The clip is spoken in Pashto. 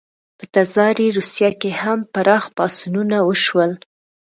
په تزاري روسیه کې هم پراخ پاڅونونه وشول.